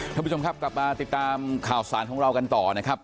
ท่านผู้ชมครับกลับมาติดตามข่าวสารของเรากันต่อนะครับ